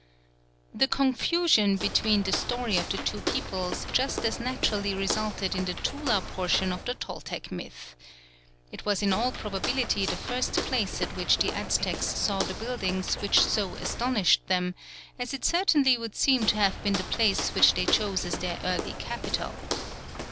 The confusion between the story of the two peoples just as naturally resulted in the Tula portion of the Toltec myth. It was in all probability the first place at which the Aztecs saw the buildings which so astonished them, as it certainly would seem to have been the place which they chose as their early capital.